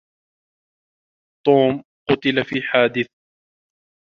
توم قتل في حادث.